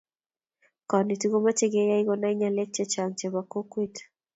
konetik komeche keyay konai ngalek chechang chebo kokwet